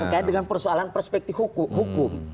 terkait dengan persoalan perspektif hukum